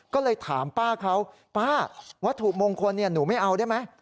ก็เลยถามป้าเขาป้าวัตถุมงคลหนูไม่เอาได้ไหม